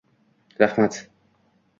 Raxmat